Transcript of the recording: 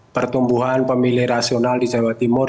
pertumbuhan pemilih rasional di jawa timur